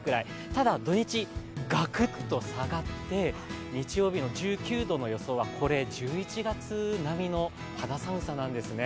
ただ、土日ガクッと下がって、日曜日の１９度の予想はこれ１１月並みの肌寒さなんですね。